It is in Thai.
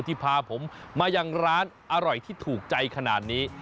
ที่พาผมมายังร้านอร่อยที่ถูกใจขนาดนี้